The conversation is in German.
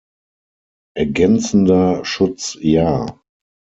Ergänzender Schutz ja!